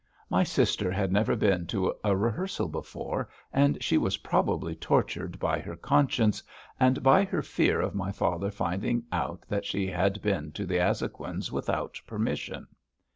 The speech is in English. My sister had never been to a rehearsal before, and she was probably tortured by her conscience and by her fear of my father finding out that she had been to the Azhoguins' without permission.